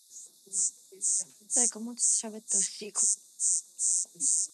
They founded their own music label and started different successful music projects.